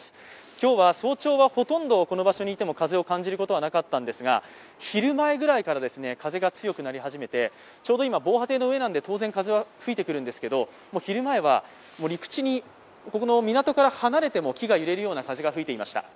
今日は早朝はほとんどこの場所にいても風を感じることはなかったんですが昼前ぐらいから風が強くなり始めて、ちょうど今防波堤のなので風は吹いてくるんですけれども、木が揺れるような風が吹いていました。